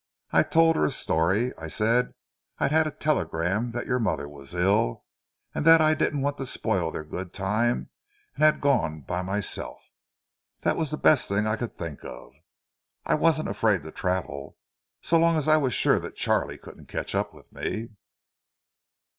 I told her a story—I said I'd had a telegram that your mother was ill, and that I didn't want to spoil their good time, and had gone by myself. That was the best thing I could think of. I wasn't afraid to travel, so long as I was sure that Charlie couldn't catch up with me."